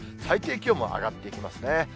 最低気温も上がってきますね。